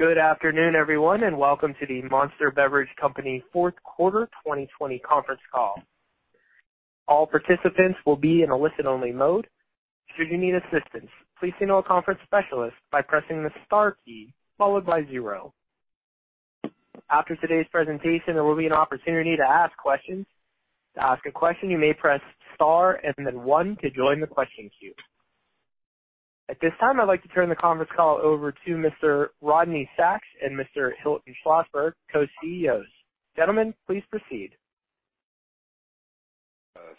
Good afternoon, everyone, and welcome to the Monster Beverage Company fourth quarter 2020 conference call. All participants will be in a listen only mode. Should you need assistance please signal our conference specialist by pressing the start key followed by zero. After today's presentation, there will be an opportunity to ask questions. To ask a question, you may press star and then one to join the question queue. At this time, I'd like to turn the conference call over to Mr. Rodney Sacks and Mr. Hilton Schlosberg, Co-CEOs. Gentlemen, please proceed.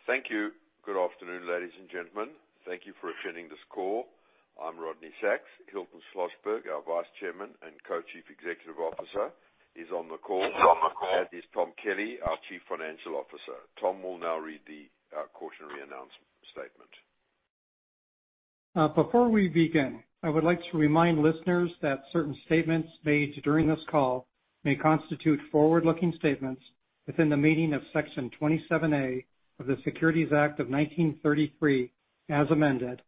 Thank you. Good afternoon, ladies and gentlemen. Thank you for attending this call. I'm Rodney Sacks. Hilton Schlosberg, our Vice Chairman and Co-Chief Executive Officer, is on the call, as is Tom Kelly, our Chief Financial Officer. Tom will now read the cautionary announcement statement. Before we begin, I would like to remind listeners that certain statements made during this call may constitute forward-looking statements within the meaning of Section 27A of the Securities Act of 1933, as amended,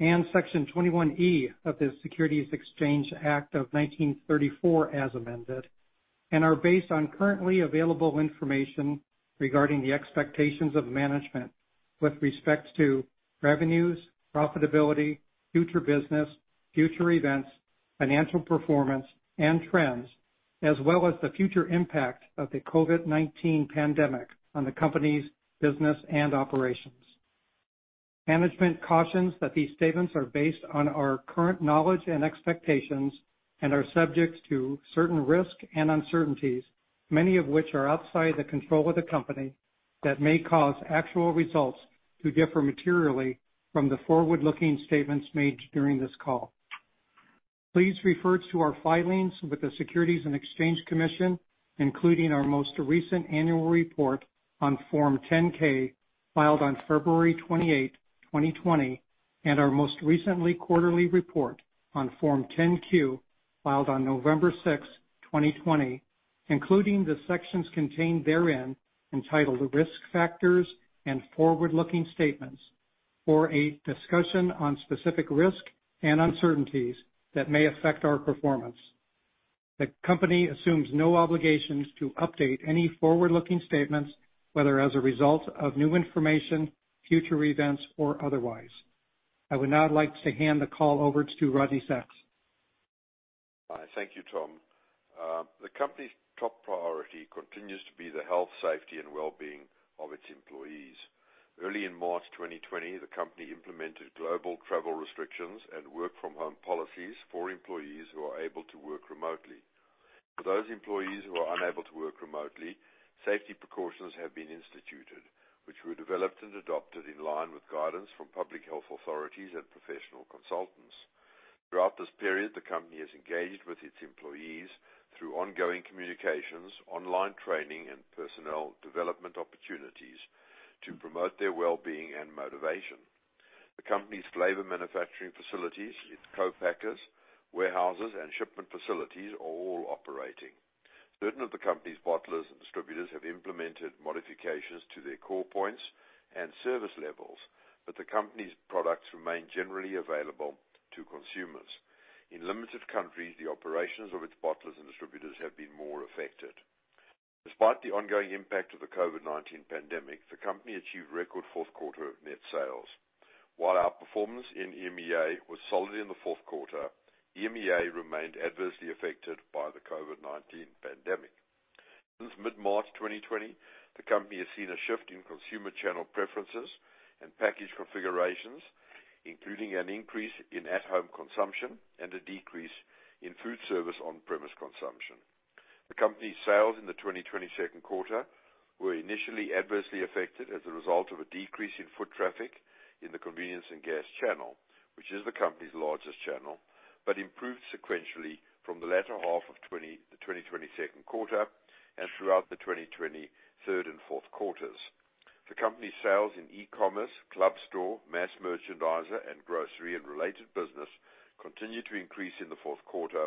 and Section 21E of the Securities Exchange Act of 1934 as amended, and are based on currently available information regarding the expectations of management with respect to revenues, profitability, future business, future events, financial performance, and trends, as well as the future impact of the COVID-19 pandemic on the company's business and operations. Management cautions that these statements are based on our current knowledge and expectations and are subject to certain risks and uncertainties, many of which are outside the control of the company, that may cause actual results to differ materially from the forward-looking statements made during this call. Please refer to our filings with the Securities and Exchange Commission, including our most recent annual report on Form 10-K, filed on February 28, 2020, and our most recent quarterly report on Form 10-Q, filed on November 6, 2020, including the sections contained therein entitled Risk Factors and Forward-Looking Statements, for a discussion on specific risks and uncertainties that may affect our performance. The company assumes no obligations to update any forward-looking statements, whether as a result of new information, future events, or otherwise. I would now like to hand the call over to Rodney Sacks. Thank you, Tom. The company's top priority continues to be the health, safety, and well-being of its employees. Early in March 2020, the company implemented global travel restrictions and work-from-home policies for employees who are able to work remotely. For those employees who are unable to work remotely, safety precautions have been instituted, which were developed and adopted in line with guidance from public health authorities and professional consultants. Throughout this period, the company has engaged with its employees through ongoing communications, online training, and personnel development opportunities to promote their well-being and motivation. The company's flavor manufacturing facilities, its co-packers, warehouses, and shipment facilities are all operating. Certain of the company's bottlers and distributors have implemented modifications to their core points and service levels, but the company's products remain generally available to consumers. In limited countries, the operations of its bottlers and distributors have been more affected. Despite the ongoing impact of the COVID-19 pandemic, the company achieved record fourth quarter net sales. While our performance in EMEA was solid in the fourth quarter, EMEA remained adversely affected by the COVID-19 pandemic. Since mid-March 2020, the company has seen a shift in consumer channel preferences and package configurations, including an increase in at-home consumption and a decrease in food service on-premise consumption. The company's sales in the 2020 second quarter were initially adversely affected as a result of a decrease in foot traffic in the convenience and gas channel, which is the company's largest channel, but improved sequentially from the latter half of the 2020 second quarter and throughout the 2020 third and fourth quarters. The company's sales in e-commerce, club store, mass merchandiser, and grocery and related business continued to increase in the fourth quarter,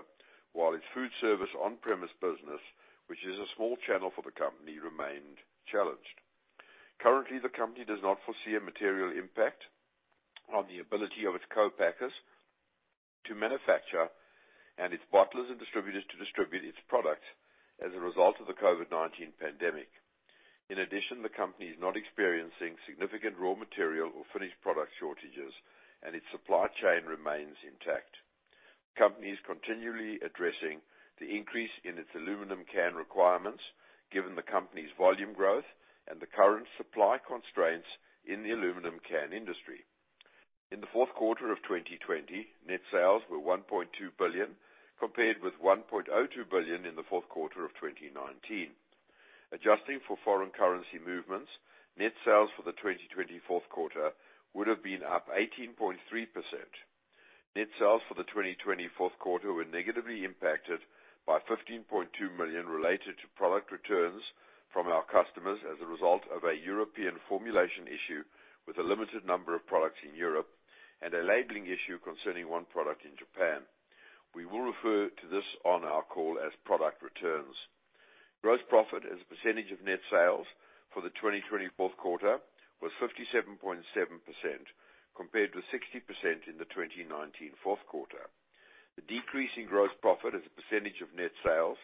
while its food service on-premise business, which is a small channel for the company, remained challenged. Currently, the company does not foresee a material impact on the ability of its co-packers to manufacture and its bottlers and distributors to distribute its products as a result of the COVID-19 pandemic. In addition, the company is not experiencing significant raw material or finished product shortages, and its supply chain remains intact. The company is continually addressing the increase in its aluminum can requirements given the company's volume growth and the current supply constraints in the aluminum can industry. In the fourth quarter of 2020, net sales were $1.2 billion, compared with $1.02 billion in the fourth quarter of 2019. Adjusting for foreign currency movements, net sales for the 2020 fourth quarter would have been up 18.3%. Net sales for the 2020 fourth quarter were negatively impacted by $15.2 million related to product returns from our customers as a result of a European formulation issue with a limited number of products in Europe and a labeling issue concerning one product in Japan. We will refer to this on our call as product returns. Gross profit as a percentage of net sales for the 2020 fourth quarter was 57.7%, compared to 60% in the 2019 fourth quarter. The decrease in gross profit as a percentage of net sales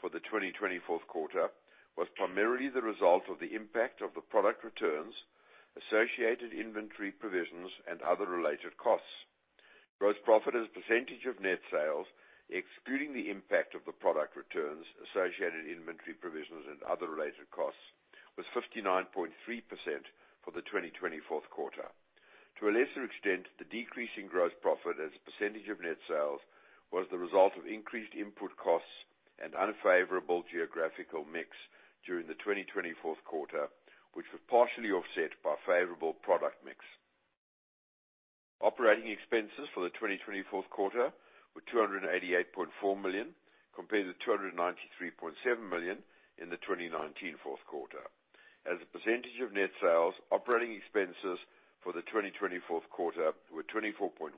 for the 2020 fourth quarter was primarily the result of the impact of the product returns, associated inventory provisions, and other related costs. Gross profit as a percentage of net sales, excluding the impact of the product returns, associated inventory provisions, and other related costs, was 59.3% for the 2020 fourth quarter. To a lesser extent, the decrease in gross profit as a percentage of net sales was the result of increased input costs and unfavorable geographical mix during the 2020 fourth quarter, which was partially offset by favorable product mix. Operating expenses for the 2020 fourth quarter were $288.4 million, compared to $293.7 million in the 2019 fourth quarter. As a percentage of net sales, operating expenses for the 2020 fourth quarter were 24.1%,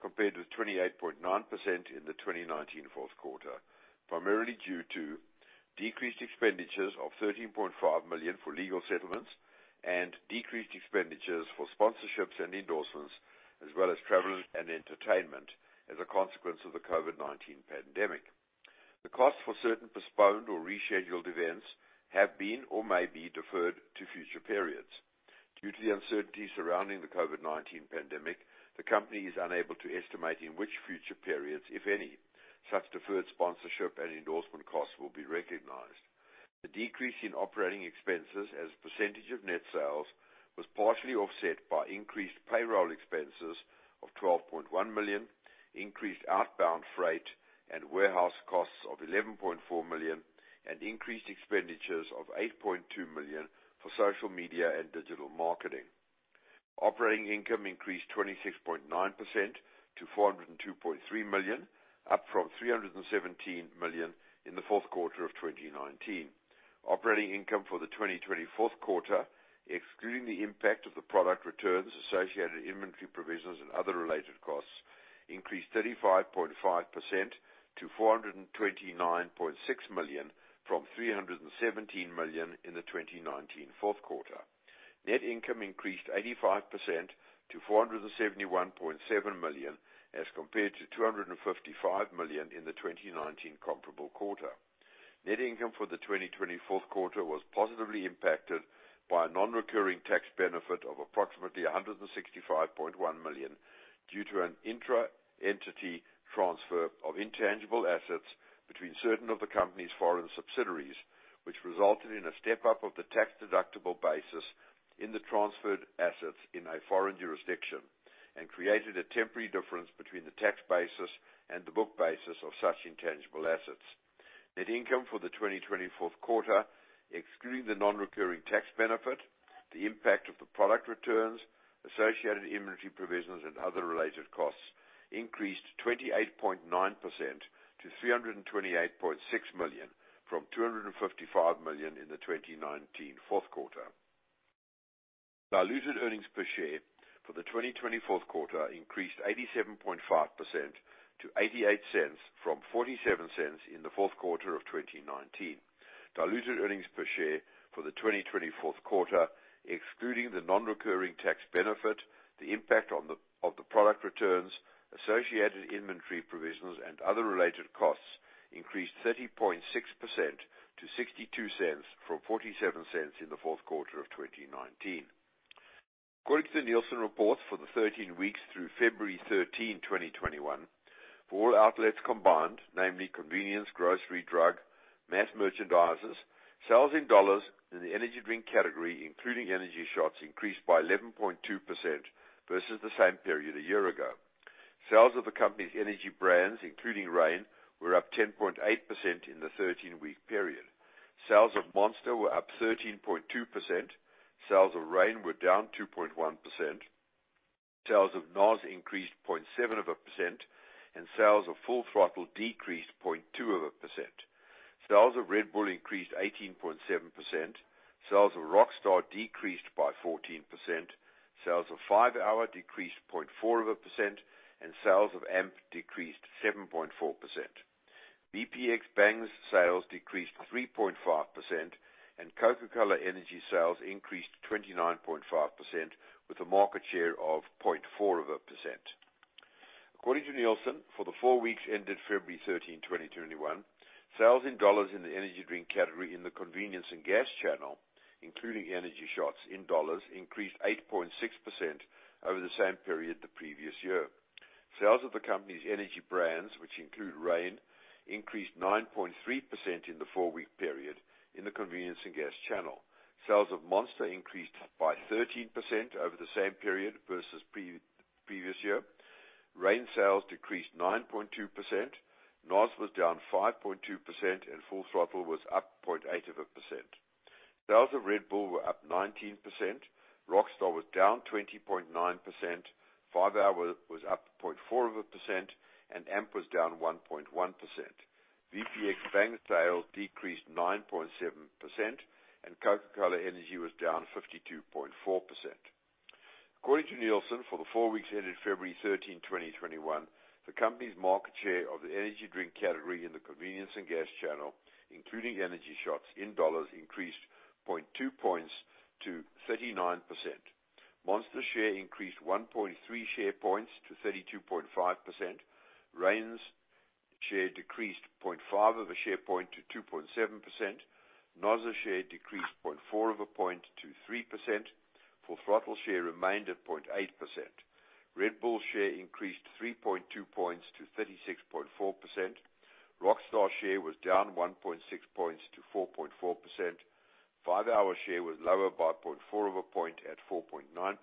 compared to 28.9% in the 2019 fourth quarter. Primarily due to decreased expenditures of $13.5 million for legal settlements and decreased expenditures for sponsorships and endorsements, as well as travel and entertainment as a consequence of the COVID-19 pandemic. The cost for certain postponed or rescheduled events have been or may be deferred to future periods. Due to the uncertainty surrounding the COVID-19 pandemic, the company is unable to estimate in which future periods, if any, such deferred sponsorship and endorsement costs will be recognized. The decrease in operating expenses as a percentage of net sales was partially offset by increased payroll expenses of $12.1 million, increased outbound freight and warehouse costs of $11.4 million, and increased expenditures of $8.2 million for social media and digital marketing. Operating income increased 26.9% to $402.3 million, up from $317 million in the fourth quarter of 2019. Operating income for the 2020 fourth quarter, excluding the impact of the product returns, associated inventory provisions, and other related costs, increased 35.5% to $429.6 million from $317 million in the 2019 fourth quarter. Net income increased 85% to $471.7 million as compared to $255 million in the 2019 comparable quarter. Net income for the 2020 fourth quarter was positively impacted by a non-recurring tax benefit of approximately $165.1 million due to an intra-entity transfer of intangible assets between certain of the company's foreign subsidiaries. Which resulted in a step-up of the tax-deductible basis in the transferred assets in a foreign jurisdiction and created a temporary difference between the tax basis and the book basis of such intangible assets. Net income for the 2020 fourth quarter, excluding the non-recurring tax benefit, the impact of the product returns, associated inventory provisions, and other related costs, increased 28.9% to $328.6 million from $255 million in the 2019 fourth quarter. Diluted earnings per share for the 2020 fourth quarter increased 87.5% to $0.88 from $0.47 in the fourth quarter of 2019. Diluted earnings per share for the 2020 fourth quarter, excluding the non-recurring tax benefit, the impact of the product returns, associated inventory provisions, and other related costs, increased 30.6% to $0.62 from $0.47 in the fourth quarter of 2019. According to the Nielsen reports for the 13 weeks through February 13, 2021, for all outlets combined, namely convenience, grocery, drug, mass merchandisers, sales in dollars in the energy drink category, including energy shots, increased by 11.2% versus the same period a year ago. Sales of the company's energy brands, including Reign, were up 10.8% in the 13-week period. Sales of Monster were up 13.2%. Sales of Reign were down 2.1%. Sales of NOS increased 0.7%, and sales of Full Throttle decreased 0.2%. Sales of Red Bull increased 18.7%. Sales of Rockstar decreased by 14%. Sales of 5-hour decreased 0.4%, and sales of AMP decreased 7.4%. VPX Bang's sales decreased 3.5%, and Coca-Cola Energy sales increased 29.5% with a market share of 0.4%. According to Nielsen, for the four weeks ended February 13, 2021, sales in dollars in the energy drink category in the convenience and gas channel, including energy shots in dollars, increased 8.6% over the same period the previous year. Sales of the company's energy brands, which include Reign, increased 9.3% in the four-week period in the convenience and gas channel. Sales of Monster increased by 13% over the same period versus previous year. Reign sales decreased 9.2%, NOS was down 5.2%, and Full Throttle was up 0.8%. Sales of Red Bull were up 19%, Rockstar was down 20.9%, 5-hour was up 0.4%, and AMP was down 1.1%. VPX Bang sales decreased 9.7%, and Coca-Cola Energy was down 52.4%. According to Nielsen, for the four weeks ending February 13, 2021, the company's market share of the energy drink category in the convenience and gas channel, including energy shots in dollars, increased 0.2 points to 39%. Monster's share increased 1.3 share points to 32.5%. Reign's share decreased 0.5 of a share point to 2.7%. NOS's share decreased 0.4 of a point to 3%. Full Throttle's share remained at 0.8%. Red Bull's share increased 3.2 points to 36.4%. Rockstar's share was down 1.6 points to 4.4%. 5-hour's share was lower by 0.4 of a point at 4.9%,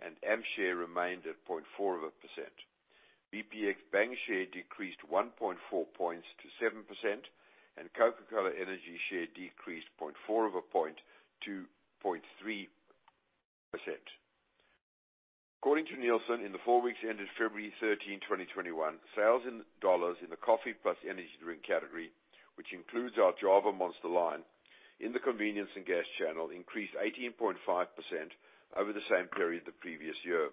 and AMP's share remained at 0.4%. VPX Bang's share decreased 1.4 points to 7%, and Coca-Cola Energy's share decreased 0.4 of a point to 0.3%. According to Nielsen, in the four weeks ending February 13, 2021, sales in dollars in the coffee plus energy drink category, which includes our Java Monster line in the convenience and gas channel, increased 18.5% over the same period the previous year.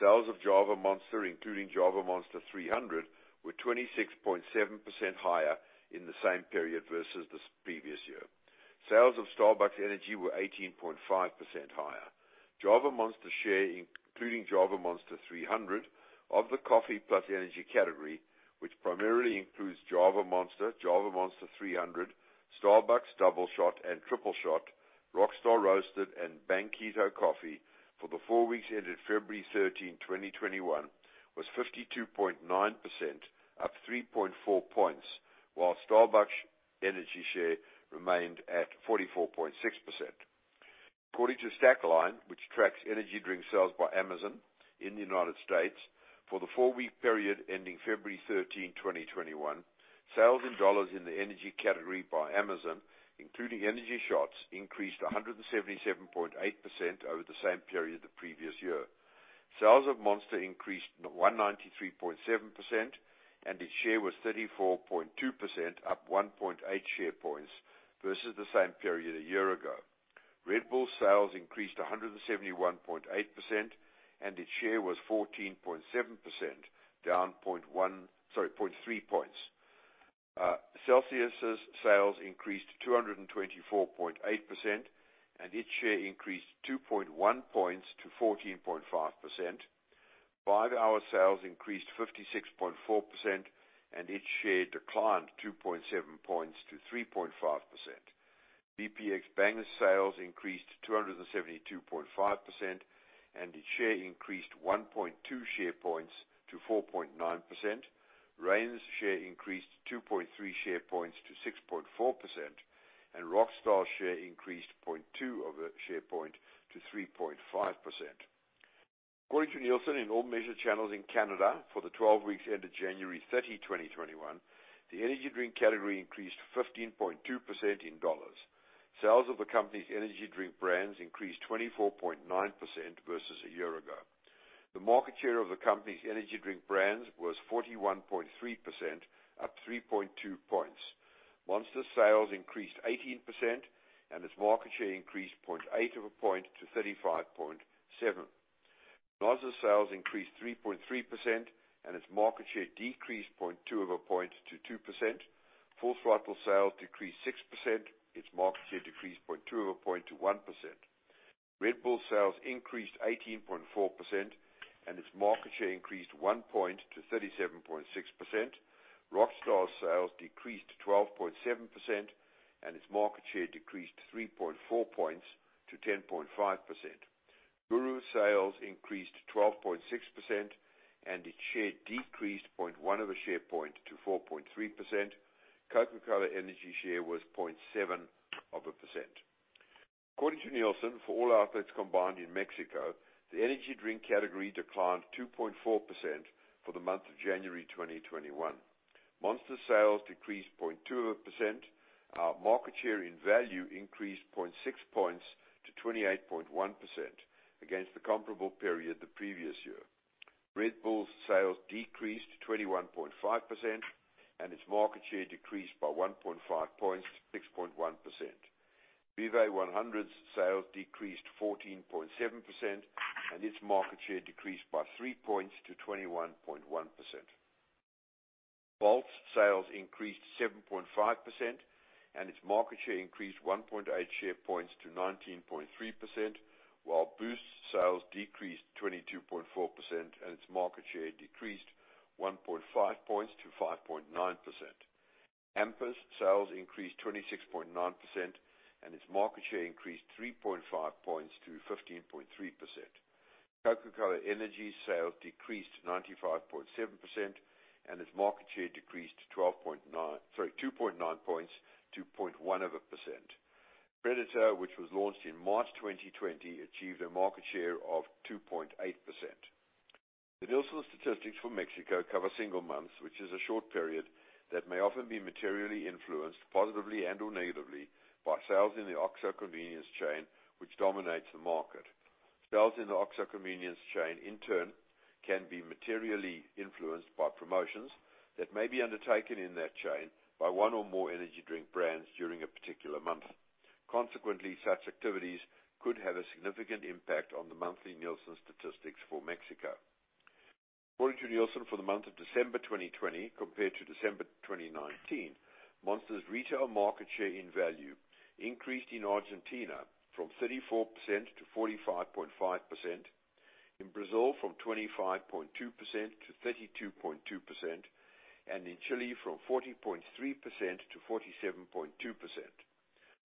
Sales of Java Monster, including Java Monster 300, were 26.7% higher in the same period versus the previous year. Sales of Starbucks Energy were 18.5% higher. Java Monster's share, including Java Monster 300, of the coffee plus energy category, which primarily includes Java Monster, Java Monster 300, Starbucks Doubleshot and Tripleshot, Rockstar Roasted and Bang, for the four weeks ending February 13, 2021, was 52.9% up 3.4 points, while Starbucks Energy share remained at 44.6%. According to Stackline, which tracks energy drink sales by Amazon in the United States, for the four-week period ending February 13, 2021, sales in dollars in the energy category by Amazon, including energy shots, increased 177.8% over the same period the previous year. Sales of Monster increased 193.7%, and its share was 34.2% up 1.8 share points versus the same period a year ago. Red Bull sales increased 171.8%, and its share was 14.7% down 0.3 points. Celsius's sales increased 224.8%, and its share increased 2.1 points to 14.5%. 5-hour sales increased 56.4%, and its share declined 2.7 points to 3.5%. VPX Bang sales increased 272.5%, and its share increased 1.2 share points to 4.9%. Reign's share increased 2.3 share points to 6.4%, and Rockstar's share increased 0.2 of a share point to 3.5%. According to Nielsen, in all measured channels in Canada for the 12 weeks ending January 30, 2021, the energy drink category increased 15.2% in dollars. Sales of the company's energy drink brands increased 24.9% versus a year ago. The market share of the company's energy drink brands was 41.3% up 3.2 points. Monster sales increased 18%, and its market share increased 0.8 of a point to 35.7. NOS sales increased 3.3%, and its market share decreased 0.2 of a point to 2%. Full Throttle sales decreased 6%; its market share decreased 0.2 of a point to 1%. Red Bull sales increased 18.4%, and its market share increased one point to 37.6%. Rockstar sales decreased 12.7%, and its market share decreased 3.4 points to 10.5%. GURU sales increased 12.6%, and its share decreased 0.1 of a share point to 4.3%. Coca-Cola Energy share was 0.7 of a percent. According to Nielsen, for all outlets combined in Mexico, the energy drink category declined 2.4% for the month of January 2021. Monster sales decreased 0.2 of a percent. Our market share in value increased 0.6 points to 28.1% against the comparable period the previous year. Red Bull sales decreased 21.5%, and its market share decreased by 1.5 points to 6.1%. Vive 100's sales decreased 14.7%, and its market share decreased by three points to 21.1%. Volt's sales increased 7.5%, and its market share increased 1.8 share points to 19.3%, while Boost sales decreased 22.4%, and its market share decreased 1.5 points to 5.9%. Amper sales increased 26.9%, and its market share increased 3.5 points to 15.3%. Coca-Cola Energy sales decreased 95.7%, and its market share decreased 2.9 points to 0.1 of a percent. Predator, which was launched in March 2020, achieved a market share of 2.8%. The Nielsen statistics for Mexico cover single months, which is a short period that may often be materially influenced positively and/or negatively by sales in the OXXO convenience chain, which dominates the market. Sales in the OXXO convenience chain, in turn, can be materially influenced by promotions that may be undertaken in that chain by one or more energy drink brands during a particular month. Consequently, such activities could have a significant impact on the monthly Nielsen statistics for Mexico. According to Nielsen, for the month of December 2020 compared to December 2019, Monster's retail market share in value increased in Argentina from 34% to 45.5%, in Brazil from 25.2% to 32.2%, and in Chile from 40.3% to 47.2%.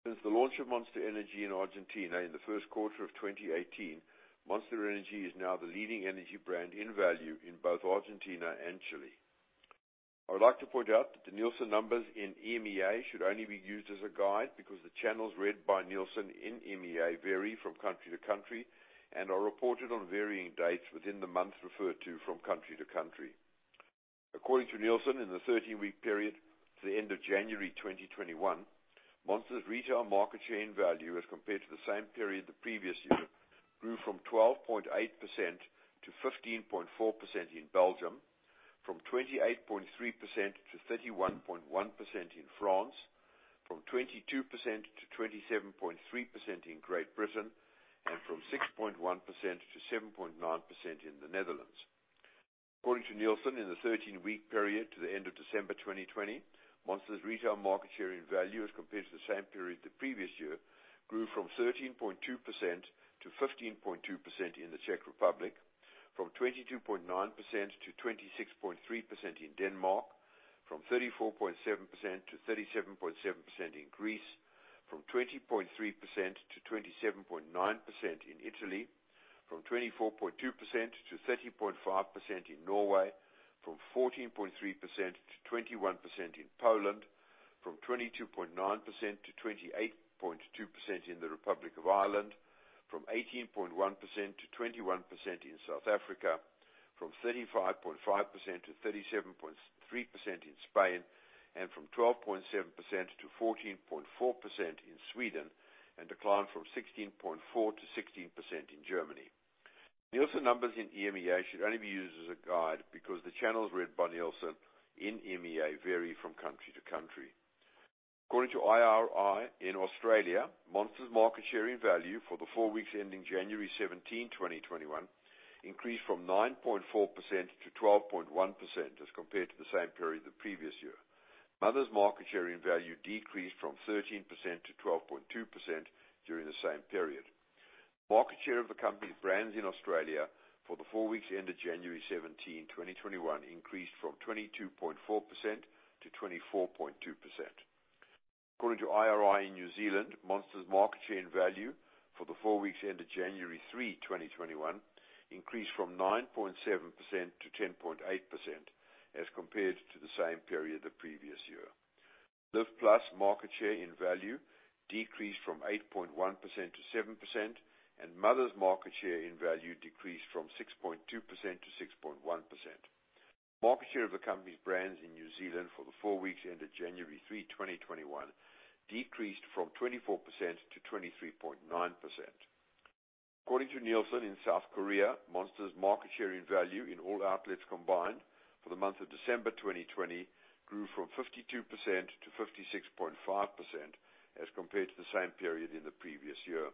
Since the launch of Monster Energy in Argentina in the first quarter of 2018, Monster Energy is now the leading energy brand in value in both Argentina and Chile. I would like to point out that the Nielsen numbers in EMEA should only be used as a guide because the channels read by Nielsen in EMEA vary from country to country and are reported on varying dates within the month referred to from country to country. According to Nielsen, in the 13-week period to the end of January 2021, Monster's retail market share in value as compared to the same period the previous year grew from 12.8% to 15.4% in Belgium, from 28.3% to 31.1% in France, from 22% to 27.3% in Great Britain, and from 6.1% to 7.9% in the Netherlands. According to Nielsen, in the 13-week period to the end of December 2020, Monster's retail market share in value as compared to the same period the previous year grew from 13.2% to 15.2% in the Czech Republic, from 22.9% to 26.3% in Denmark, from 34.7% to 37.7% in Greece, from 20.3% to 27.9% in Italy, from 24.2% to 30.5% in Norway, from 14.3% to 21% in Poland, from 22.9% to 28.2% in the Republic of Ireland, from 18.1% to 21% in South Africa, from 35.5% to 37.3% in Spain, and from 12.7% to 14.4% in Sweden, and declined from 16.4% to 16% in Germany. Nielsen numbers in EMEA should only be used as a guide because the channels read by Nielsen in EMEA vary from country to country. According to IRI in Australia, Monster's market share in value for the four weeks ending January 17, 2021, increased from 9.4% to 12.1% as compared to the same period the previous year. Mother's market share in value decreased from 13% to 12.2% during the same period. Market share of the company's brands in Australia for the four weeks ended January 17, 2021, increased from 22.4% to 24.2%. According to IRI in New Zealand, Monster's market share in value for the four weeks ended January 3, 2021, increased from 9.7% to 10.8% as compared to the same period the previous year. Live+ market share in value decreased from 8.1% to 7%, and Mother's market share in value decreased from 6.2% to 6.1%. Market share of the company's brands in New Zealand for the four weeks ended January 3, 2021, decreased from 24% to 23.9%. According to Nielsen in South Korea, Monster's market share in value in all outlets combined for the month of December 2020 grew from 52% to 56.5% as compared to the same period in the previous year.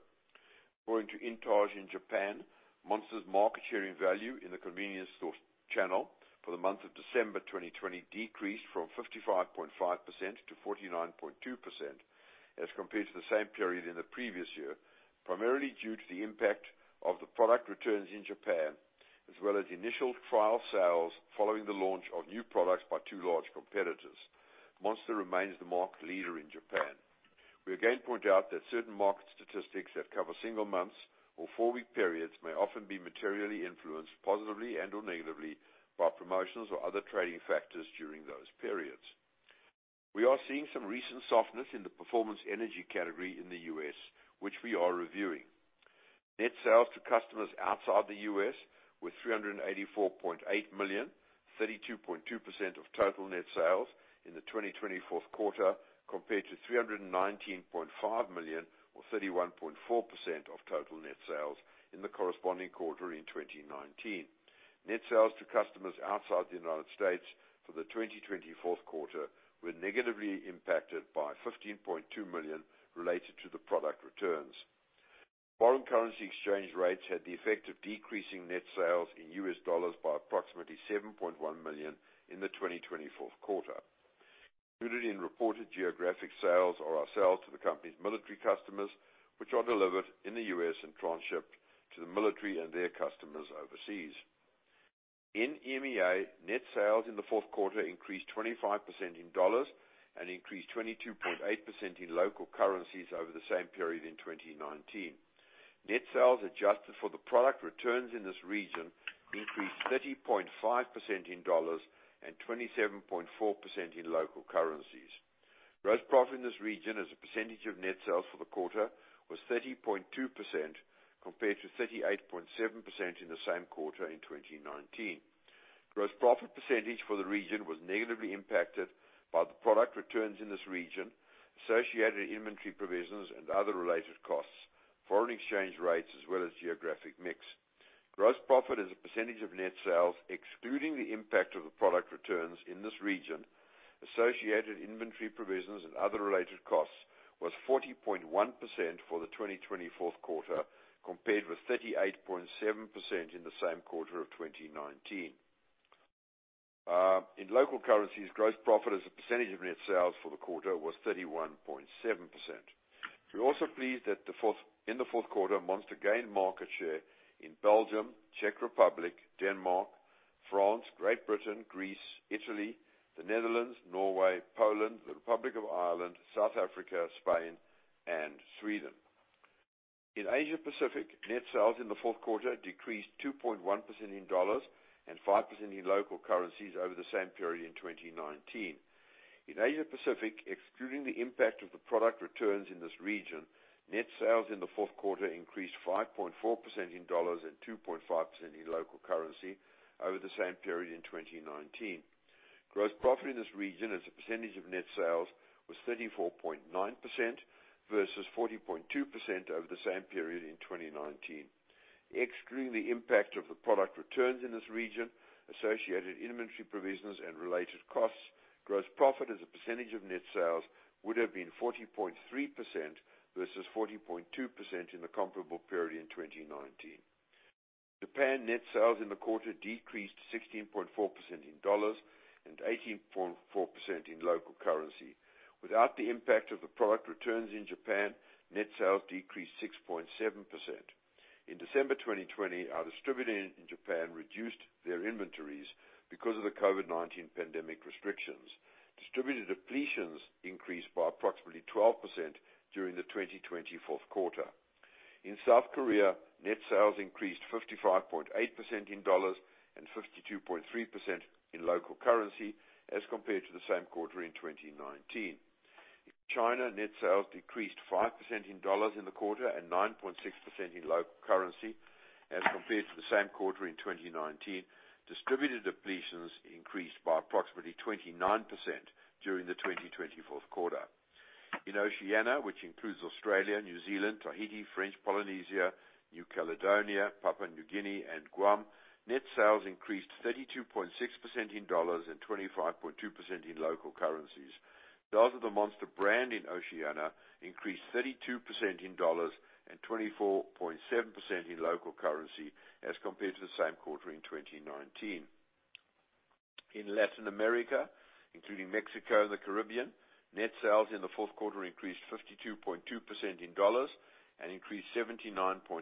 According to INTAGE in Japan, Monster's market share in value in the convenience store channel for the month of December 2020 decreased from 55.5% to 49.2% as compared to the same period in the previous year, primarily due to the impact of the product returns in Japan, as well as initial trial sales following the launch of new products by two large competitors. Monster remains the market leader in Japan. We again point out that certain market statistics that cover single months or four-week periods may often be materially influenced positively and/or negatively by promotions or other trading factors during those periods. We are seeing some recent softness in the performance energy category in the U.S., which we are reviewing. Net sales to customers outside the U.S. were $384.8 million, 32.2% of total net sales in the 2020 fourth quarter, compared to $319.5 million or 31.4% of total net sales in the corresponding quarter in 2019. Net sales to customers outside the United States for the 2020 fourth quarter were negatively impacted by $15.2 million related to the product returns. Foreign currency exchange rates had the effect of decreasing net sales in U.S. dollars by approximately $7.1 million in the 2020 fourth quarter. Included in reported geographic sales are our sales to the company's military customers, which are delivered in the U.S. and transshipped to the military and their customers overseas. In EMEA, net sales in the fourth quarter increased 25% in dollars and increased 22.8% in local currencies over the same period in 2019. Net sales adjusted for the product returns in this region increased 30.5% in dollars and 27.4% in local currencies. Gross profit in this region as a percentage of net sales for the quarter was 30.2% compared to 38.7% in the same quarter in 2019. Gross profit percentage for the region was negatively impacted by the product returns in this region, associated inventory provisions and other related costs, foreign exchange rates, as well as geographic mix. Gross profit as a percentage of net sales, excluding the impact of the product returns in this region, associated inventory provisions and other related costs, was 40.1% for the 2020 fourth quarter, compared with 38.7% in the same quarter of 2019. In local currencies, gross profit as a percentage of net sales for the quarter was 31.7%. We're also pleased that in the fourth quarter, Monster gained market share in Belgium, Czech Republic, Denmark, France, Great Britain, Greece, Italy, the Netherlands, Norway, Poland, the Republic of Ireland, South Africa, Spain, and Sweden. In Asia Pacific, net sales in the fourth quarter decreased 2.1% in dollars and 5% in local currencies over the same period in 2019. In Asia Pacific, excluding the impact of the product returns in this region, net sales in the fourth quarter increased 5.4% in USD and 2.5% in local currency over the same period in 2019. Gross profit in this region as a percentage of net sales was 34.9% versus 40.2% over the same period in 2019. Excluding the impact of the product returns in this region, associated inventory provisions and related costs, gross profit as a percentage of net sales would have been 40.3% versus 40.2% in the comparable period in 2019. Japan net sales in the quarter decreased 16.4% in dollars and 18.4% in local currency. Without the impact of the product returns in Japan, net sales decreased 6.7%. In December 2020, our distributor in Japan reduced their inventories because of the COVID-19 pandemic restrictions. Distributor depletions increased by approximately 12% during the 2020 fourth quarter. In South Korea, net sales increased 55.8% in dollars and 52.3% in local currency as compared to the same quarter in 2019. In China, net sales decreased 5% in dollars in the quarter and 9.6% in local currency as compared to the same quarter in 2019. Distributor depletions increased by approximately 29% during the 2020 fourth quarter. In Oceania, which includes Australia, New Zealand, Tahiti, French Polynesia, New Caledonia, Papua New Guinea, and Guam, net sales increased 32.6% in dollars and 25.2% in local currencies. Sales of the Monster brand in Oceania increased 32% in dollars and 24.7% in local currency as compared to the same quarter in 2019. In Latin America, including Mexico and the Caribbean, net sales in the fourth quarter increased 52.2% in dollars and increased 79.9%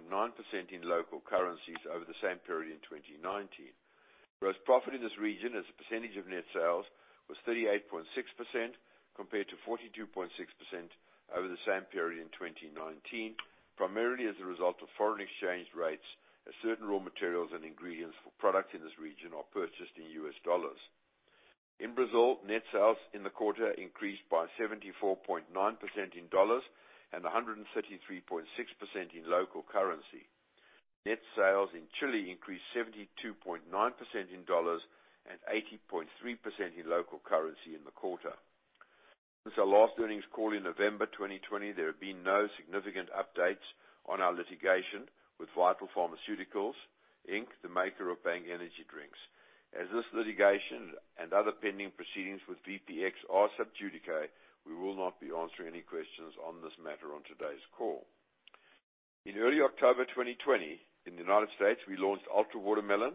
in local currencies over the same period in 2019. Gross profit in this region as a percentage of net sales was 38.6% compared to 42.6% over the same period in 2019, primarily as a result of foreign exchange rates, as certain raw materials and ingredients for products in this region are purchased in U.S. dollars. In Brazil, net sales in the quarter increased by 74.9% in $ and 133.6% in local currency. Net sales in Chile increased 72.9% in dollars and 80.3% in local currency in the quarter. Since our last earnings call in November 2020, there have been no significant updates on our litigation with Vital Pharmaceuticals, Inc, the maker of Bang energy drinks. As this litigation and other pending proceedings with VPX are sub judice, we will not be answering any questions on this matter on today's call. In early October 2020, in the United States, we launched Ultra Watermelon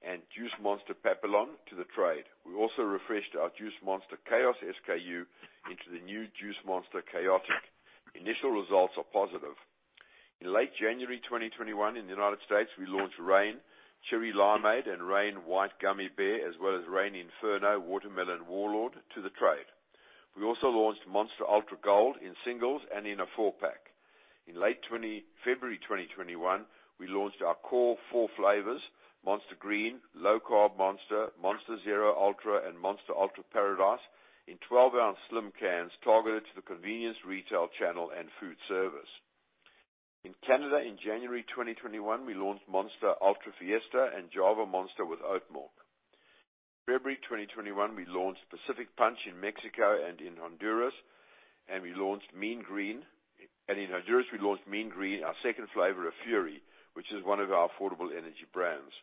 and Juice Monster Papillon to the trade. We also refreshed our Juice Monster Khaotic SKU into the new Juice Monster Khaotic. Initial results are positive. In late January 2021 in the United States, we launched Reign Cherry Limeade and Reign White Gummy Bear, as well as Reign Inferno Watermelon Warlord to the trade. We also launched Monster Ultra Gold in singles and in a four-pack. In late February 2021, we launched our core four flavors, Monster Green, Monster Energy Lo-Carb, Monster Energy Zero Ultra, and Monster Energy Ultra Paradise in 12-ounce slim cans targeted to the convenience retail channel and food service. In Canada in January 2021, we launched Monster Energy Ultra Fiesta and Java Monster Farmer's Oats. February 2021, we launched Juice Monster Pacific Punch in Mexico and in Honduras, and in Honduras, we launched Mean Green, our second flavor of Fury, which is one of our affordable energy brands.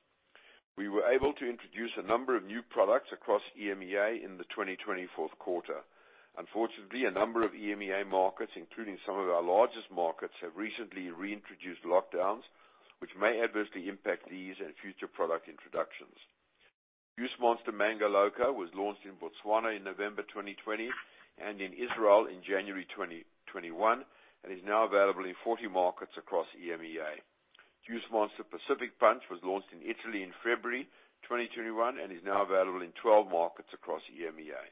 We were able to introduce a number of new products across EMEA in the 2020 fourth quarter. Unfortunately, a number of EMEA markets, including some of our largest markets, have recently reintroduced lockdowns, which may adversely impact these and future product introductions. Juice Monster Mango Loco was launched in Botswana in November 2020 and in Israel in January 2021 and is now available in 40 markets across EMEA. Juice Monster Pacific Punch was launched in Italy in February 2021 and is now available in 12 markets across EMEA.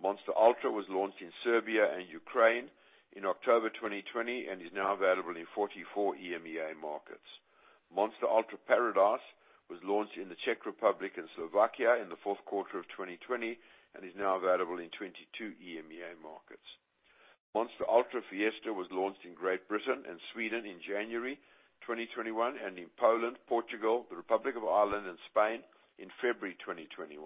Monster Ultra was launched in Serbia and Ukraine in October 2020 and is now available in 44 EMEA markets. Monster Ultra Paradise was launched in the Czech Republic and Slovakia in the fourth quarter of 2020 and is now available in 22 EMEA markets. Monster Ultra Fiesta was launched in Great Britain and Sweden in January 2021, and in Poland, Portugal, the Republic of Ireland, and Spain in February 2021.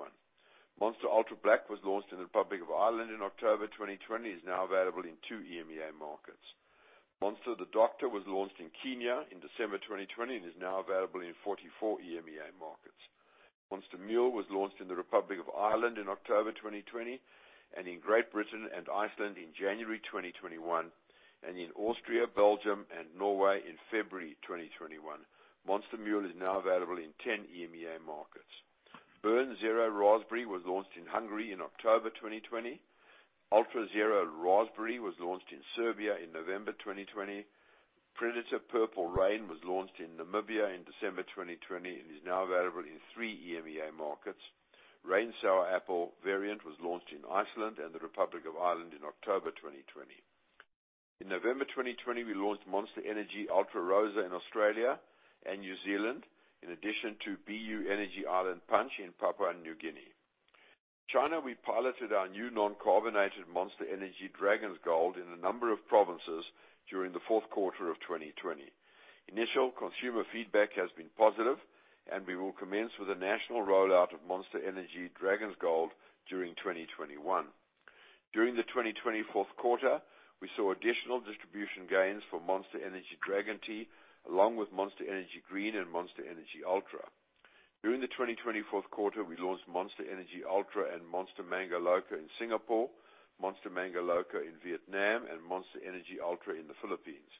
Monster Ultra Black was launched in the Republic of Ireland in October 2020. It is now available in two EMEA markets. Monster The Doctor was launched in Kenya in December 2020 and is now available in 44 EMEA markets. Monster Mule was launched in the Republic of Ireland in October 2020, and in Great Britain and Iceland in January 2021, and in Austria, Belgium, and Norway in February 2021. Monster Mule is now available in 10 EMEA markets. Burn Zero Raspberry was launched in Hungary in October 2020. Ultra Zero Raspberry was launched in Serbia in November 2020. Predator Purple Rain was launched in Namibia in December 2020 and is now available in three EMEA markets. Reign Sour Apple variant was launched in Iceland and the Republic of Ireland in October 2020. In November 2020, we launched Monster Energy Ultra Rosá in Australia and New Zealand, in addition to BU Energy Island Punch in Papua New Guinea. In China, we piloted our new non-carbonated Monster Energy Dragon's Gold in a number of provinces during the fourth quarter of 2020. Initial consumer feedback has been positive, and we will commence with a national rollout of Monster Energy Dragon's Gold during 2021. During the 2020 fourth quarter, we saw additional distribution gains for Monster Energy Dragon Tea, along with Monster Energy Green and Monster Energy Ultra. During the 2020 second quarter, we launched Monster Energy Ultra and Monster Mango Loco in Singapore, Monster Mango Loco in Vietnam, and Monster Energy Ultra in the Philippines.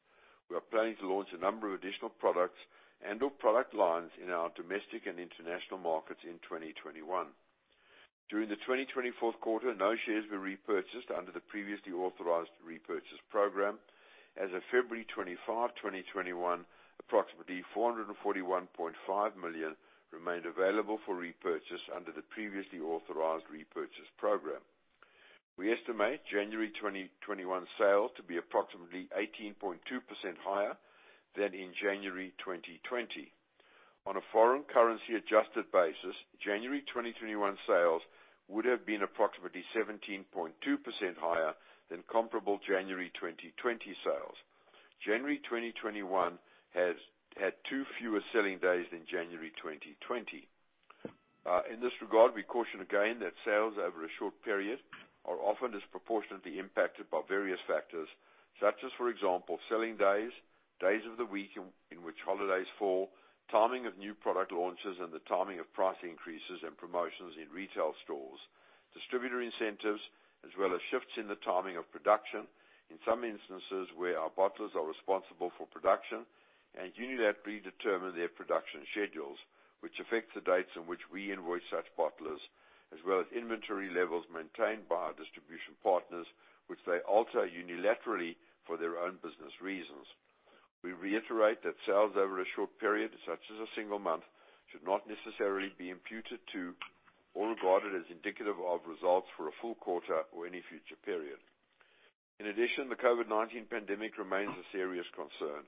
We are planning to launch a number of additional products and/or product lines in our domestic and international markets in 2021. During the 2020 fourth quarter, no shares were repurchased under the previously authorized repurchase program. As of February 25, 2021, approximately $441.5 million remained available for repurchase under the previously authorized repurchase program. We estimate January 2021 sales to be approximately 18.2% higher than in January 2020. On a foreign currency adjusted basis, January 2021 sales would have been approximately 17.2% higher than comparable January 2020 sales. January 2021 had two fewer selling days than January 2020. In this regard, we caution again that sales over a short period are often disproportionately impacted by various factors, such as, for example, selling days of the week in which holidays fall, timing of new product launches, and the timing of price increases and promotions in retail stores, distributor incentives, as well as shifts in the timing of production in some instances where our bottlers are responsible for production and unilaterally determine their production schedules, which affect the dates on which we invoice such bottlers, as well as inventory levels maintained by our distribution partners, which they alter unilaterally for their own business reasons. We reiterate that sales over a short period, such as a single month, should not necessarily be imputed to or regarded as indicative of results for a full quarter or any future period. The COVID-19 pandemic remains a serious concern.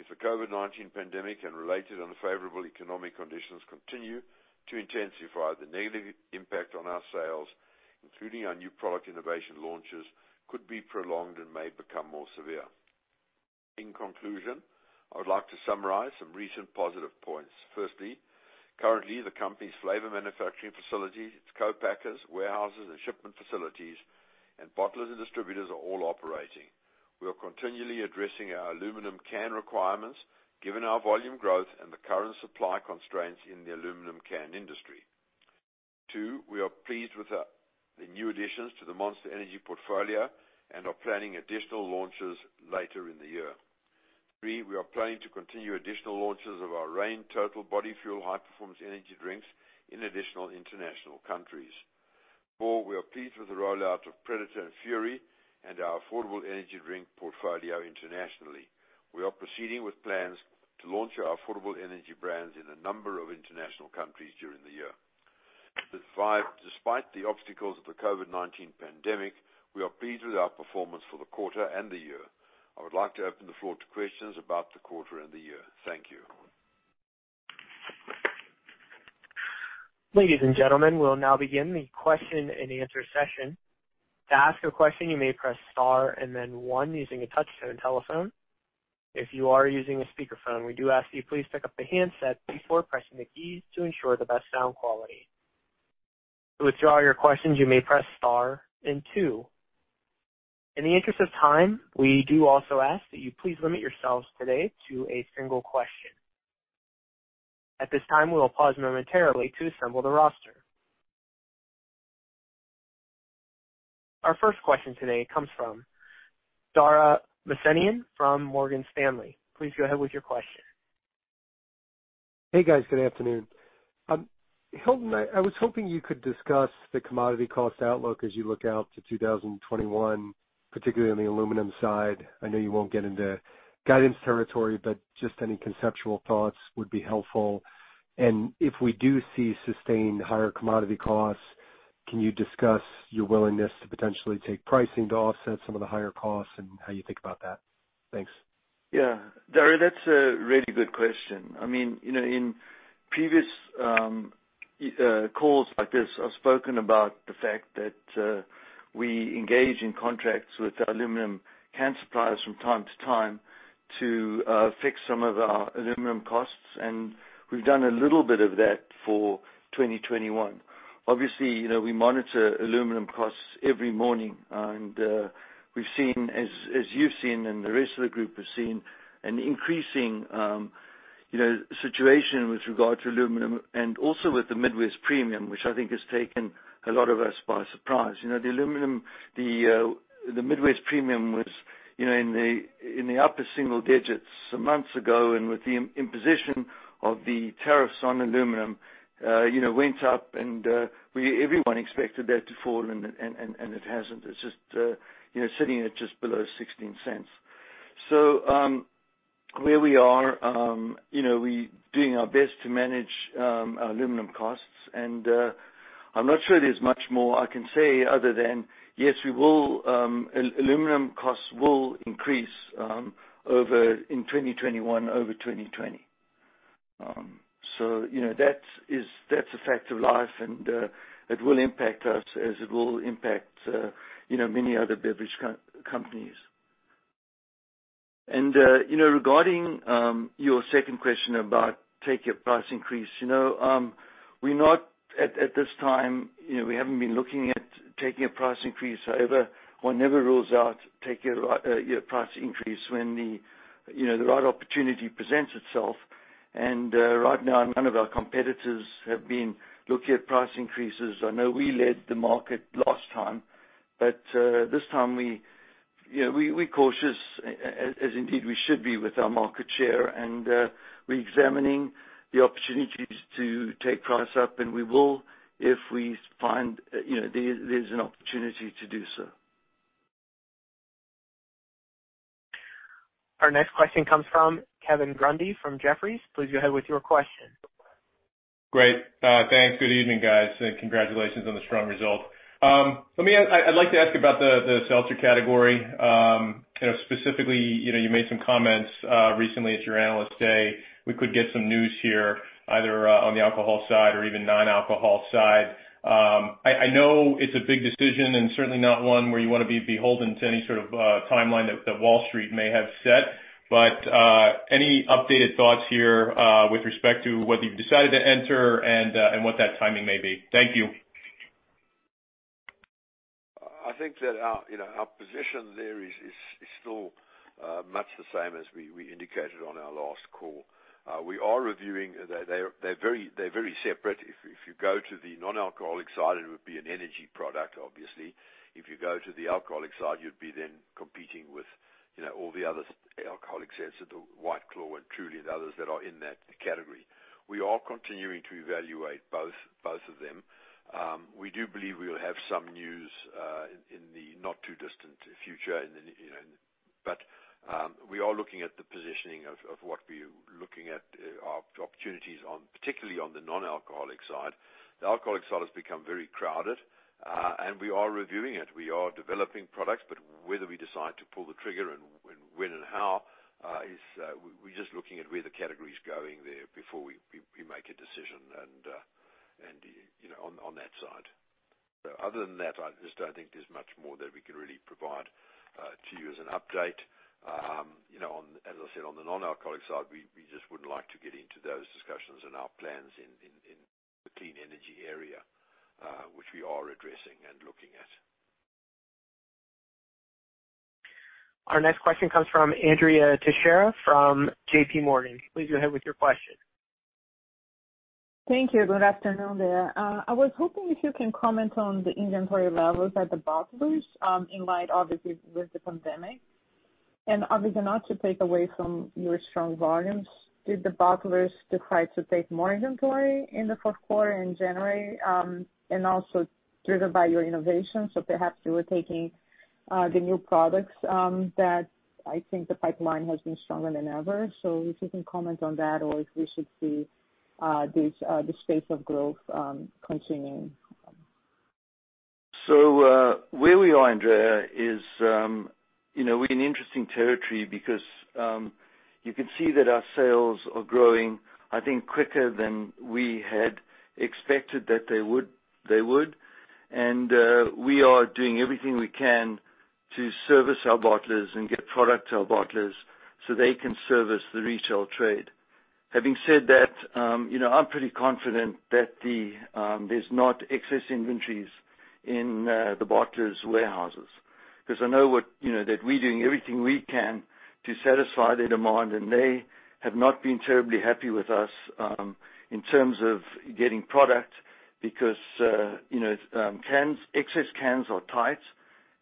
If the COVID-19 pandemic and related unfavorable economic conditions continue to intensify, the negative impact on our sales, including our new product innovation launches, could be prolonged and may become more severe. I would like to summarize some recent positive points. Currently, the company's flavor manufacturing facilities, its co-packers, warehouses, and shipment facilities, and bottlers and distributors are all operating. We are continually addressing our aluminum can requirements given our volume growth and the current supply constraints in the aluminum can industry. Two, we are pleased with the new additions to the Monster Energy portfolio and are planning additional launches later in the year. Three, we are planning to continue additional launches of our Reign Total Body Fuel high-performance energy drinks in additional international countries. Four, we are pleased with the rollout of Predator and Fury and our affordable energy drink portfolio internationally. We are proceeding with plans to launch our affordable energy brands in a number of international countries during the year. Five, despite the obstacles of the COVID-19 pandemic, we are pleased with our performance for the quarter and the year. I would like to open the floor to questions about the quarter and the year. Thank you. Ladies and gentlemen, we'll now begin the question and answer session. To ask a question, you may press star and then one using a touchtone telephone. If you are using a speakerphone, we do ask you please pick up the handset before pressing the keys to ensure the best sound quality. To withdraw your questions, you may press star and two. In the interest of time, we do also ask that you please limit yourselves today to a single question. At this time, we will pause momentarily to assemble the roster. Our first question today comes from Dara Mohsenian from Morgan Stanley. Please go ahead with your question. Hey, guys. Good afternoon. Hilton, I was hoping you could discuss the commodity cost outlook as you look out to 2021, particularly on the aluminum side. I know you won't get into guidance territory, just any conceptual thoughts would be helpful. If we do see sustained higher commodity costs, can you discuss your willingness to potentially take pricing to offset some of the higher costs and how you think about that? Thanks. Yeah. Dara, that's a really good question. I mean, you know in previous calls like this have spoken about the fact that we engage in contracts with our aluminum can suppliers from time to time to fix some of our aluminum costs, and we've done a little bit of that for 2021. Obviously, we monitor aluminum costs every morning, and we've seen, as you've seen and the rest of the group has seen, an increasing situation with regard to aluminum and also with the Midwest premium, which I think has taken a lot of us by surprise. The Midwest premium was in the upper single digits some months ago, and with the imposition of the tariffs on aluminum, went up and everyone expected that to fall and it hasn't. It's just sitting at just below $0.16. Where we are, we doing our best to manage our aluminum costs, and I'm not sure there's much more I can say other than, yes, aluminum costs will increase in 2021 over 2020. That's a fact of life, and it will impact us as it will impact many other beverage companies. Regarding your second question about take your price increase, at this time, we haven't been looking at taking a price increase. However, one never rules out take your price increase when the right opportunity presents itself. Right now, none of our competitors have been looking at price increases. I know we led the market last time, but this time we're cautious, as indeed we should be with our market share, and we're examining the opportunities to take price up, and we will if we find there's an opportunity to do so. Our next question comes from Kevin Grundy from Jefferies. Please go ahead with your question. Great. Thanks. Good evening, guys. Congratulations on the strong result. I'd like to ask about the seltzer category. Specifically, you made some comments recently at your Analyst Day. We could get some news here, either on the alcohol side or even non-alcohol side. I know it's a big decision and certainly not one where you want to be beholden to any sort of timeline that Wall Street may have set. Any updated thoughts here with respect to whether you've decided to enter and what that timing may be? Thank you. I think that our position there is still much the same as we indicated on our last call. We are reviewing. They're very separate. If you go to the non-alcoholic side, it would be an energy product, obviously. If you go to the alcoholic side, you'd be then competing with all the other alcoholic seltzers, the White Claw and Truly and others that are in that category. We are continuing to evaluate both of them. We do believe we'll have some news in the not too distant future. We are looking at the positioning of what we're looking at opportunities on, particularly on the non-alcoholic side. The alcoholic side has become very crowded. We are reviewing it. We are developing products, but whether we decide to pull the trigger and when and how, we're just looking at where the category's going there before we make a decision on that side. Other than that, I just don't think there's much more that we can really provide to you as an update. As I said, on the non-alcoholic side, we just wouldn't like to get into those discussions and our plans in the clean energy area, which we are addressing and looking at. Our next question comes from Andrea Teixeira from JPMorgan. Please go ahead with your question. Thank you. Good afternoon there. I was hoping if you can comment on the inventory levels at the bottlers in light, obviously, with the pandemic, and are they not to take away from your strong volumes? Did the bottlers decide to take more inventory in the fourth quarter and January? Also driven by your innovation, perhaps you were taking the new products that I think the pipeline has been stronger than ever. If you can comment on that or if we should see this pace of growth continuing. Where we are, Andrea, is we're in interesting territory because you can see that our sales are growing, I think, quicker than we had expected that they would. We are doing everything we can to service our bottlers and get product to our bottlers so they can service the retail trade. Having said that, I'm pretty confident that there's not excess inventories in the bottlers' warehouses, because I know that we're doing everything we can to satisfy their demand, and they have not been terribly happy with us in terms of getting product because excess cans are tight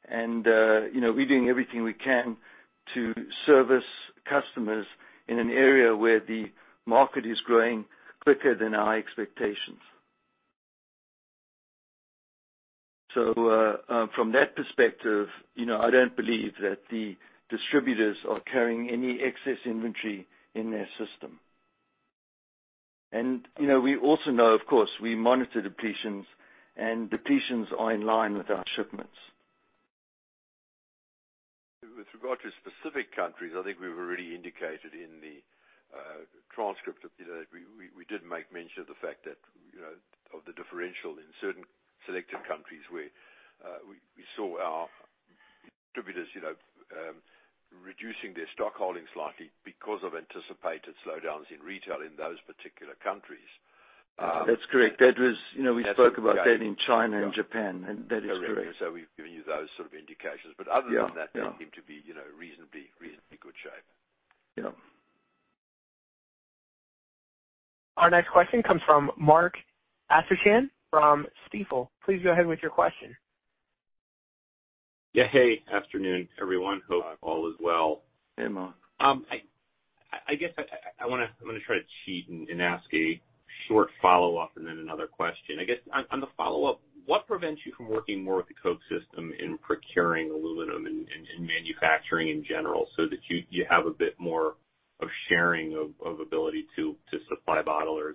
and we're doing everything we can to service customers in an area where the market is growing quicker than our expectations. From that perspective, I don't believe that the distributors are carrying any excess inventory in their system. We also know, of course, we monitor depletions, and depletions are in line with our shipments. With regard to specific countries, I think we've already indicated in the transcript of this, that we did make mention of the fact that of the differential in certain selected countries where we saw our distributors reducing their stock holdings slightly because of anticipated slowdowns in retail in those particular countries. That's correct. We spoke about that in China and Japan, and that is correct. We've given you those sort of indications. Other than that. Yeah. They seem to be reasonably good shape. Yeah. Our next question comes from Mark Astrachan from Stifel. Please go ahead with your question. Hey, afternoon, everyone. Hope all is well. Hey, Mark. I guess I'm going to try to cheat and ask a short follow-up and then another question. I guess on the follow-up, what prevents you from working more with the Coke system in procuring aluminum and in manufacturing in general, so that you have a bit more of sharing of ability to supply bottlers?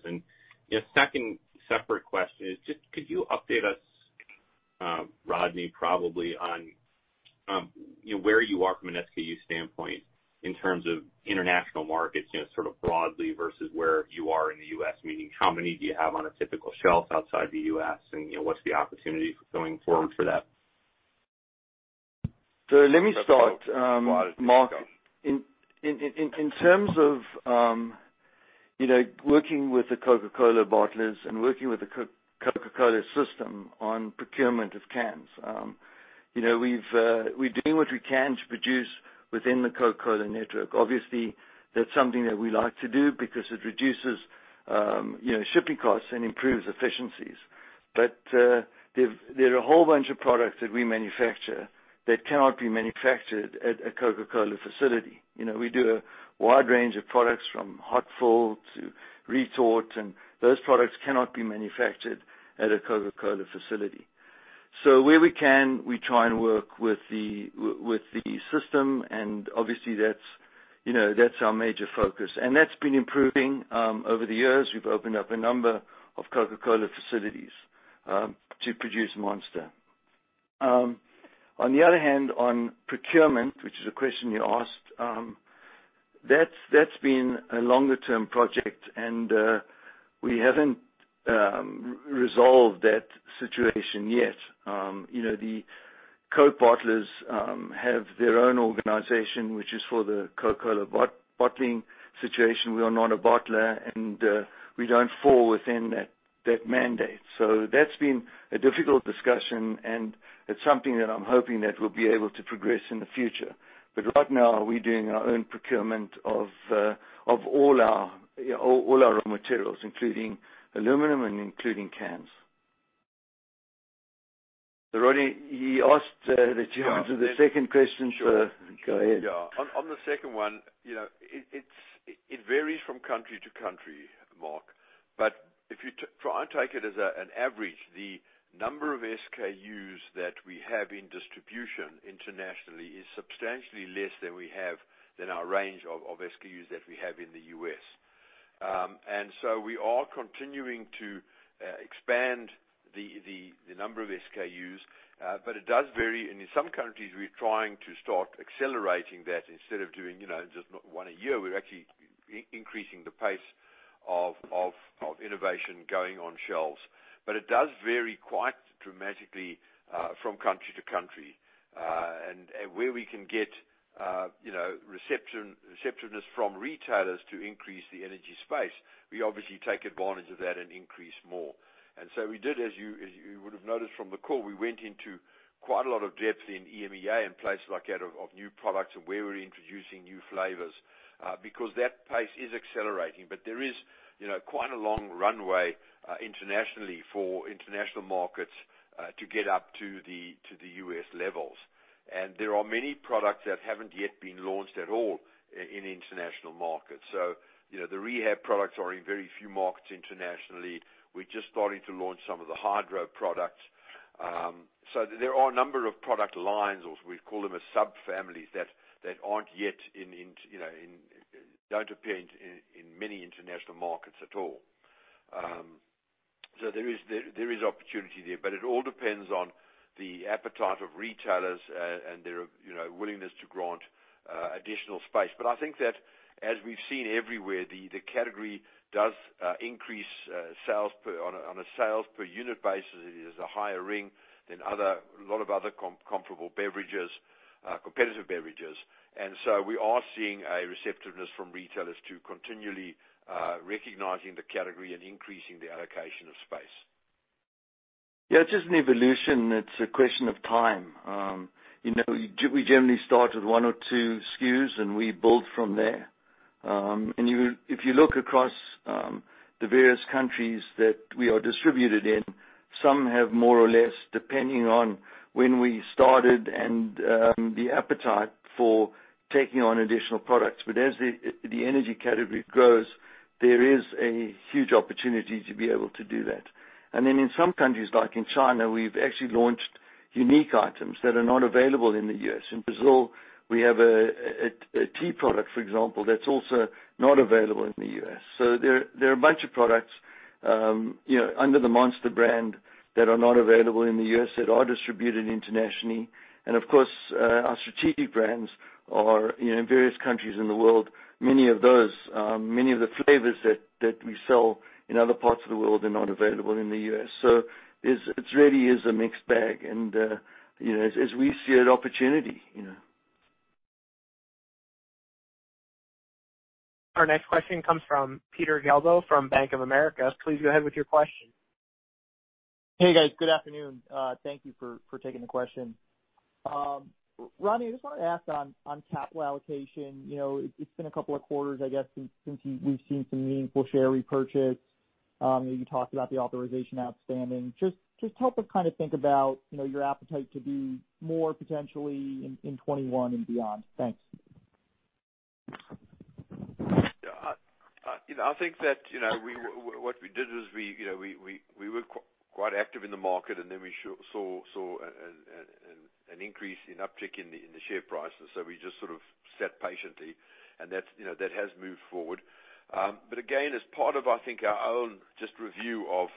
A second separate question is just could you update us, Rodney, probably on where you are from an SKU standpoint in terms of international markets, sort of broadly versus where you are in the U.S. Meaning how many do you have on a typical shelf outside the U.S. and what's the opportunity going forward for that? Let me start, Mark. In terms of working with the Coca-Cola bottlers and working with the Coca-Cola system on procurement of cans. We're doing what we can to produce within the Coca-Cola network. Obviously, that's something that we like to do because it reduces shipping costs and improves efficiencies. There are a whole bunch of products that we manufacture that cannot be manufactured at a Coca-Cola facility. We do a wide range of products from hot fill to retort, and those products cannot be manufactured at a Coca-Cola facility. Where we can, we try and work with the system and obviously that's our major focus. That's been improving over the years. We've opened up a number of Coca-Cola facilities to produce Monster. On the other hand, on procurement, which is a question you asked, that's been a longer-term project, and we haven't resolved that situation yet. The Coke bottlers have their own organization, which is for the Coca-Cola bottling situation. We are not a bottler, and we don't fall within that mandate. That's been a difficult discussion, and it's something that I'm hoping that we'll be able to progress in the future. Right now, we're doing our own procurement of all our raw materials, including aluminum and including cans. Rodney, he asked that you answer the second question. Sure. Go ahead. Yeah. On the second one, it varies from country to country, Mark. If you try and take it as an average, the number of SKUs that we have in distribution internationally is substantially less than our range of SKUs that we have in the U.S. We are continuing to expand the number of SKUs, but it does vary. In some countries, we're trying to start accelerating that instead of doing just one a year, we're actually increasing the pace of innovation going on shelves. It does vary quite dramatically from country to country. Where we can get receptiveness from retailers to increase the energy space, we obviously take advantage of that and increase more. We did, as you would have noticed from the call, we went into quite a lot of depth in EMEA and places like that of new products and where we're introducing new flavors, because that pace is accelerating. There is quite a long runway internationally for international markets to get up to the U.S. levels. There are many products that haven't yet been launched at all in international markets. The Rehab products are in very few markets internationally. We're just starting to launch some of the Hydro products. There are a number of product lines, or we call them subfamilies that don't appear in many international markets at all. There is opportunity there, but it all depends on the appetite of retailers and their willingness to grant additional space. I think that as we've seen everywhere, the category does increase on a sales per unit basis. It has a higher ring than a lot of other comparable beverages, competitive beverages. We are seeing a receptiveness from retailers to continually recognizing the category and increasing the allocation of space. Yeah, it's just an evolution. It's a question of time. We generally start with one or two SKUs, we build from there. If you look across the various countries that we are distributed in, some have more or less, depending on when we started and the appetite for taking on additional products. As the energy category grows, there is a huge opportunity to be able to do that. In some countries, like in China, we've actually launched unique items that are not available in the U.S. In Brazil, we have a tea product, for example, that's also not available in the U.S. There are a bunch of products Under the Monster brand that are not available in the U.S. that are distributed internationally. Of course, our strategic brands are in various countries in the world. Many of the flavors that we sell in other parts of the world are not available in the U.S. It really is a mixed bag and as we see it, opportunity. Our next question comes from Peter Galbo from Bank of America. Please go ahead with your question. Hey, guys. Good afternoon. Thank you for taking the question. Rodney, I just wanted to ask on capital allocation. It's been a couple of quarters, I guess, since we've seen some meaningful share repurchase. You talked about the authorization outstanding. Just help us think about your appetite to be more potentially in 2021 and beyond. Thanks. I think that what we did is we were quite active in the market, and then we saw an increase in uptick in the share prices. We just sort of sat patiently and that has moved forward. Again, as part of, I think, our own just review of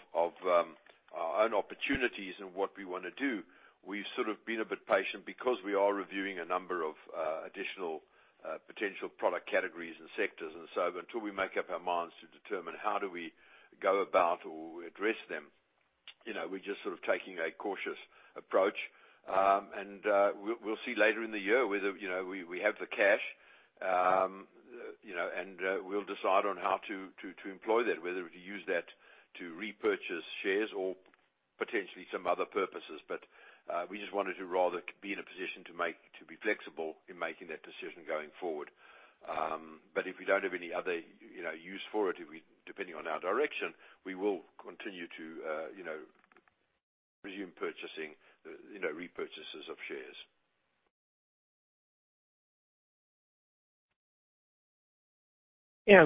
our own opportunities and what we want to do, we've sort of been a bit patient because we are reviewing a number of additional potential product categories and sectors. Until we make up our minds to determine how do we go about or address them, we're just sort of taking a cautious approach. We'll see later in the year whether we have the cash, and we'll decide on how to employ that, whether to use that to repurchase shares or potentially some other purposes. We just wanted to rather be in a position to be flexible in making that decision going forward. If we don't have any other use for it, depending on our direction, we will continue to resume repurchases of shares.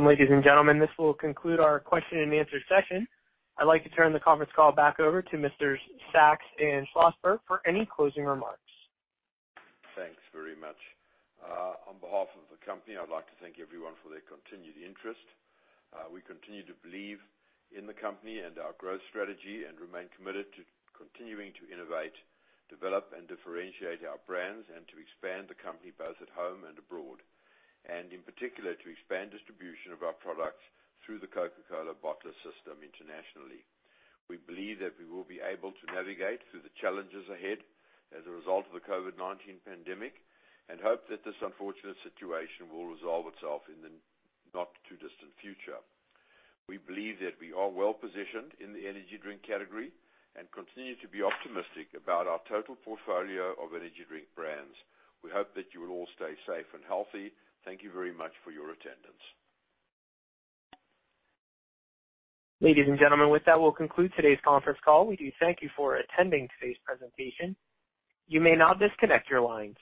Ladies and gentlemen, this will conclude our question and answer session. I'd like to turn the conference call back over to Messrs Sacks and Schlosberg for any closing remarks. Thanks very much. On behalf of the company, I'd like to thank everyone for their continued interest. We continue to believe in the company and our growth strategy and remain committed to continuing to innovate, develop, and differentiate our brands and to expand the company both at home and abroad. In particular, to expand distribution of our products through the Coca-Cola bottler system internationally. We believe that we will be able to navigate through the challenges ahead as a result of the COVID-19 pandemic and hope that this unfortunate situation will resolve itself in the not too distant future. We believe that we are well-positioned in the energy drink category and continue to be optimistic about our total portfolio of energy drink brands. We hope that you will all stay safe and healthy. Thank you very much for your attendance. Ladies and gentlemen, with that, we'll conclude today's conference call. We do thank you for attending today's presentation. You may now disconnect your lines.